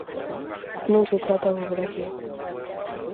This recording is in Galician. Non se trata de Grecia.